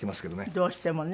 どうしてもね。